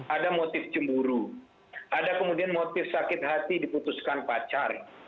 ada motif cemburu ada kemudian motif sakit hati diputuskan pacar